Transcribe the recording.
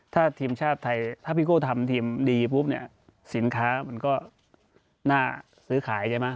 ถ้าทีมชาติไทยถ้าพี่โก้ทำทีมดีปุ๊บเนี่ยสินค้ามันก็น่าซื้อขายใช่ไหม